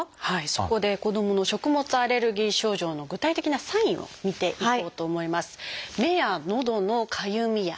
そこで子どもの食物アレルギー症状の具体的なサインを見ていこうと思います。